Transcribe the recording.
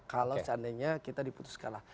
kalau seandainya kita diputus kalah